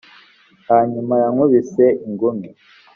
hanyuma yankubise ingumi